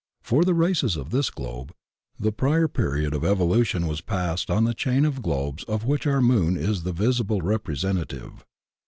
For the races of this globe the prior period of evolution was passed on the chain of globes of which our moon is the visible representative.